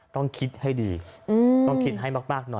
ต้องคิดให้ดีต้องคิดให้มากหน่อย